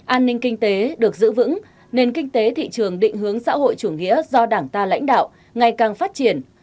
an ninh kinh tế được giữ vững nền kinh tế thị trường định hướng xã hội chủ nghĩa do đảng ta lãnh đạo ngày càng phát triển